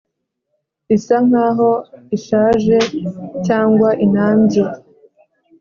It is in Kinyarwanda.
Isa nk aho ishaje cyangwa inambye